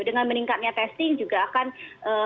dengan meningkatnya testing juga akan